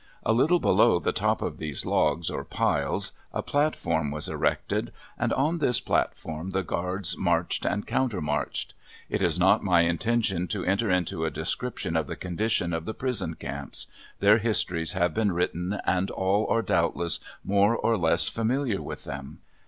A little below the top of these logs or piles a platform was erected, and on this platform the guards marched and countermarched. It is not my intention to enter into a description of the condition of the prison camps. Their histories have been written and all are doubtless more or less familiar with them.